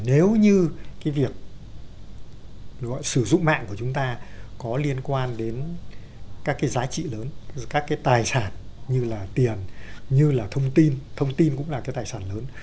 nếu như cái việc sử dụng mạng của chúng ta có liên quan đến các cái giá trị lớn các cái tài sản như là tiền như là thông tin thông tin cũng là cái tài sản lớn